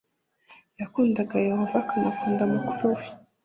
yakundaga yehova akanakunda mukuru we